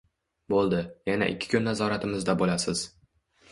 Bo‘ldi, yana ikki kun nazoratimizda bo‘lasiz.